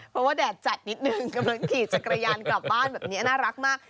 เพราะว่าแดดจัดนิดนึงกำลังขี่จักรยานกลับบ้านแบบนี้น่ารักมาก